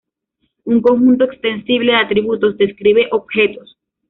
Un conjunto extensible de atributos describe objetos.